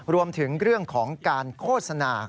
รวมถึงเรื่องของการโฆษณา